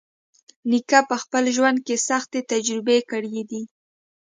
نیکه په خپل ژوند کې سختۍ تجربه کړې دي.